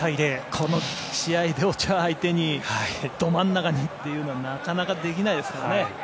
この試合でオチョア相手にど真ん中はなかなかできないですからね。